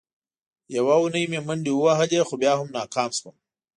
یوه اونۍ مې منډې ووهلې، خو بیا هم ناکام شوم.